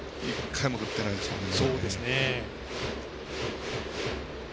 １回も振ってないですよね。